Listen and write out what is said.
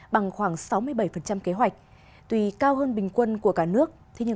bằng khoảng sáu mươi bảy kế hoạch